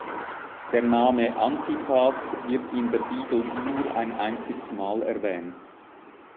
Der Name Antipas wird in der Bibel nur ein einziges Mal erwähnt.